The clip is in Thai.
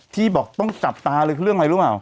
ที่บอกต้องจับตาเลยคือเรื่องอะไรรู้เปล่า